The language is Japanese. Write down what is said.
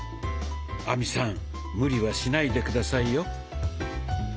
亜美さん無理はしないで下さいよ。